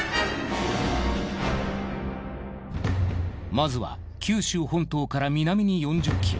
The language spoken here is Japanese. まずは九州本島から南に４０ｋｍ。